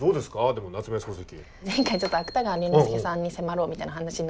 でも夏目漱石。